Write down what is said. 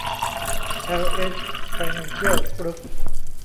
แอล เอช ไฟแนนซ์เชียล กรุ๊ป